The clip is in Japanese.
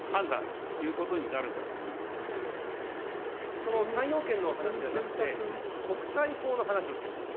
その３要件の話じゃなくて、国際法の話をしているんです。